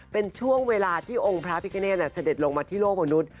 เป็นช่วงเวลาที่องค์พระพิกเนตเสด็จลงมาที่โลกมนุษย์